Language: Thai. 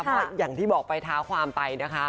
เพราะอย่างที่บอกไปท้าความไปนะคะ